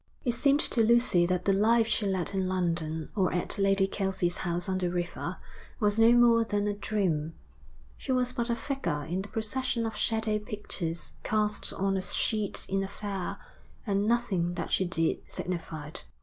It seemed to Lucy that the life she led in London, or at Lady Kelsey's house on the river, was no more than a dream. She was but a figure in the procession of shadow pictures cast on a sheet in a fair, and nothing that she did signified.